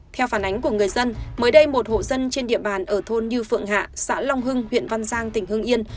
theo phản ánh của người dân mới đây một hộ dân trên địa bàn ở thôn như phượng hạ xã long hưng huyện văn giang tỉnh hưng yên